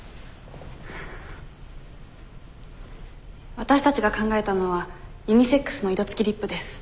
わたしたちが考えたのはユニセックスの色つきリップです。